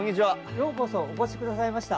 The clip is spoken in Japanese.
ようこそお越しくださいました。